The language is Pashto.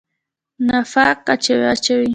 نفاق واچوي.